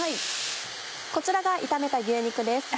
こちらが炒めた牛肉です。